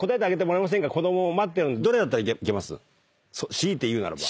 強いて言うならば。